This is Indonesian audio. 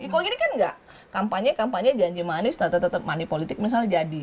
kalau gini kan nggak kampanye kampanye janji manis tetap tetap money politik misalnya jadi